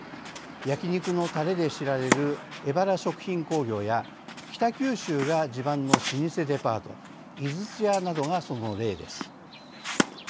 焼き肉のたれで知られるエバラ食品工業や北九州が地盤の老舗デパート井筒屋などが、その例です。